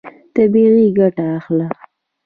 طبیعي ګټه اخله.